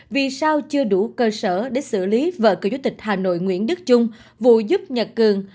vì sao chưa đủ cơ sở để xử lý vợ cựu chủ tịch hà nội nguyễn đức trung vụ giúp nhật cường